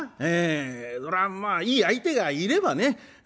ええそらまあいい相手がいればね